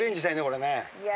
これね。